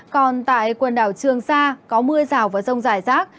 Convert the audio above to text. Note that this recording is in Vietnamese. còn tại quần đảo trường sa có mưa rào và rông rải rác